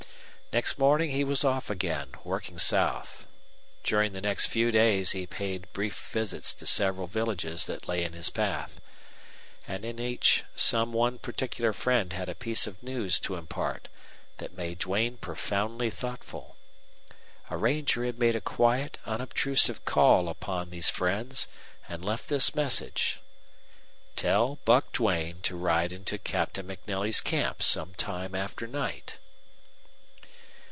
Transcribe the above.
Next morning he was off again, working south. During the next few days he paid brief visits to several villages that lay in his path. And in each some one particular friend had a piece of news to impart that made Duane profoundly thoughtful. A ranger had made a quiet, unobtrusive call upon these friends and left this message, "Tell Buck Duane to ride into Captain MacNelly's camp some time after night."